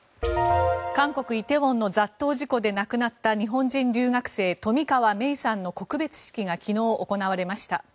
韓国・梨泰院の雑踏事故で亡くなった日本人留学生冨川芽生さんの告別式が昨日、行われました。